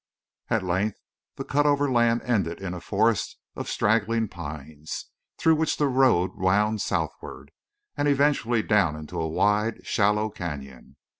At length the cut over land ended in a forest of straggling pines, through which the road wound southward, and eventually down into a wide shallow canyon.